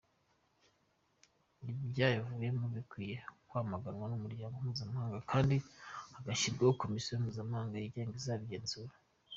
ibyayavuyemo bikwiye kwamaganwa n’Umuryango Mpuzamahanga kandi hagashyirwaho Komisiyo mpuzamahanga yigenga izabigenzura.